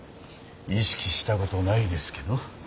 意識したことないですけど。